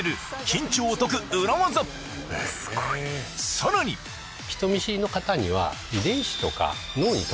さらにえ！